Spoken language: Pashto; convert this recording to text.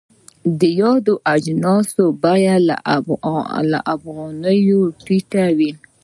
د یادو اجناسو بیه له افغانیو ټیټه وي.